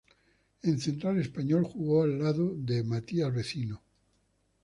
En central Español jugó al lado de Matias Vecino.